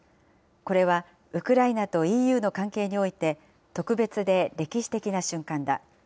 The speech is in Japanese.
これはウクライナとＥＵの関係において、特別で歴史的な瞬間だ。